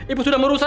ibu sudah merusak